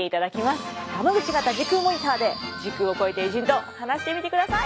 ガマグチ型時空モニターで時空を超えて偉人と話してみてください。